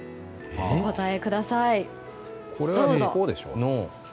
お答えください、どうぞ。